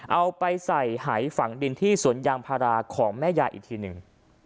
เอาไปใส่หายฝังดินที่สวนยางพาราของแม่ยายอีกทีหนึ่ง